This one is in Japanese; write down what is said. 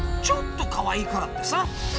ちょっとかわいいからってさ。